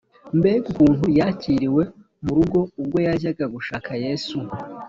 . Mbega ukuntu yakiriwe mu rugo! Ubwo yajyaga gushaka Yesu,